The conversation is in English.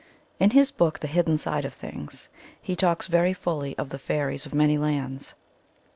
In his book The Hidden Side of Things he talks very fully of the fairies of many lands.